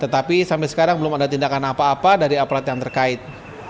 tetapi sampai sekarang belum ada tindakan apa apa dari aparat yang terkait